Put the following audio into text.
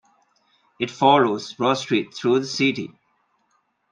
It followed Broad Street through the city.